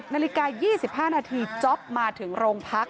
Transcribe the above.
นาฬิกา๒๕นาทีจ๊อปมาถึงโรงพัก